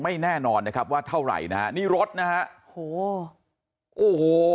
แน่นอนนะครับว่าเท่าไหร่นะฮะนี่รถนะฮะโอ้โหโอ้โห